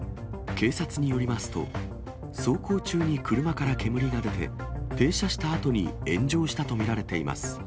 警察によりますと、走行中に車から煙が出て、停車したあとに炎上したと見られています。